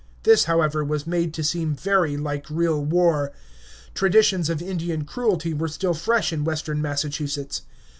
This, however, was made to seem very like real war. Traditions of Indian cruelty were still fresh in western Massachusetts.